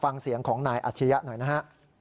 ฟังเสียงของนายอาชียะหน่อยนะฮะ